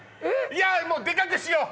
いやーもうでかくしよう！